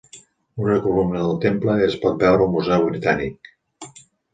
Una columna del temple es pot veure al Museu Britànic.